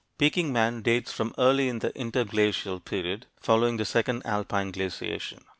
Peking man dates from early in the interglacial period following the second alpine glaciation.